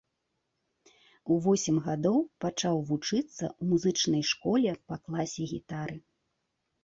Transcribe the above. У восем гадоў пачаў вучыцца ў музычнай школе па класе гітары.